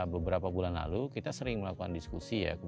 beberapa bulan lalu kita sering melakukan diskusi ya